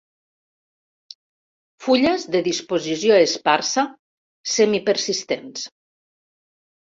Fulles de disposició esparsa, semi persistents.